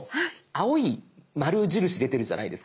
青い丸印出てるじゃないですか。